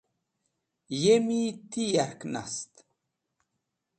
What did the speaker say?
yemi ti yark nast